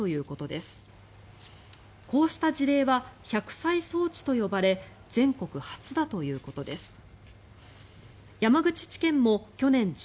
こうした事例は１００歳送致と呼ばれ全国初だということです。